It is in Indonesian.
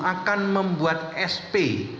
akan membuat sp